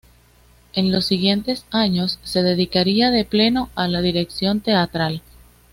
En los siguientes años, se dedicaría de pleno a la dirección teatral.